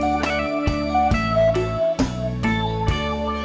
ว้าว